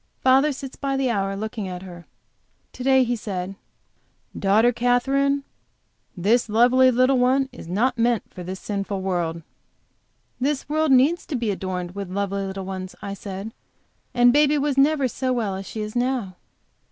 Father sits by the hour looking at her. To day he said: "Daughter Katherine, this lovely little one is not meant for this sinful world." "This world needs to be adorned with lovely little ones," I said. "And baby was never so well as she is now."